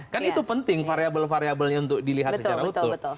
kan itu penting variable variabelnya untuk dilihat secara utuh